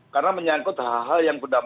karena menyangkut hal hal yang benar benar